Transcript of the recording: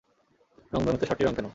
রংধনুতে সাতটি রং কেন?